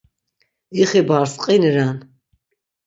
İxi bars, qini ren.